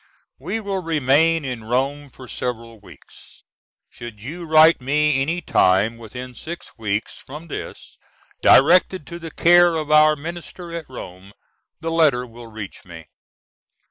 We will remain in Rome for several weeks. Should you write me any time within six weeks from this directed to the care of our Minister at Rome, the letter will reach me.